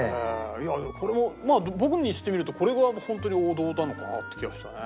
いやこれもまあ僕にしてみるとこれがホントに王道なのかなって気がしたね。